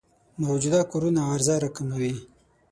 موجوده کورونو عرضه راکموي.